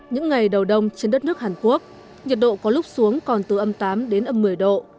những ngày đầu đông trên đất nước hàn quốc nhiệt độ có lúc xuống còn từ âm tám đến âm một mươi độ